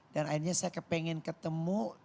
dan akhirnya saya kepengen ketemu